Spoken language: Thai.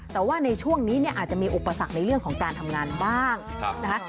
แต่ว่าในช่วงนี้เนี่ยอาจจะมีอุปสรรคในเรื่องของการทำงานบ้างนะคะ